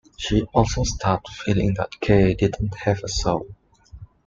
She also started feeling that Kay didn't have a soul.